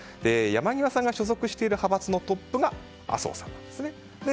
山際さんが所属している派閥のトップが麻生さんです。